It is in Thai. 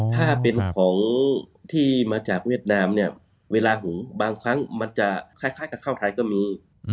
ถ้าเป็นของที่มาจากเวียดนามเนี่ยเวลาหูบางครั้งมันจะคล้ายกับข้าวไทยก็มี